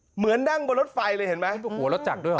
เหมือนนั่งบนรถไฟเลยเห็นไหม